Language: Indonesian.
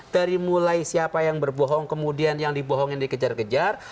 dari mulai siapa yang berbohong kemudian yang dibohongin dikejar kejar